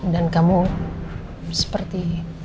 dan kamu seperti